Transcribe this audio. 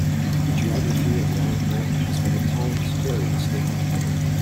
The geography in Round Mountain has been at times very unstable.